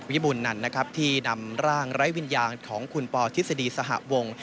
บูรณนันนะครับที่นำร่างไร้วิญญาณของคุณปทฤษฎีสหวง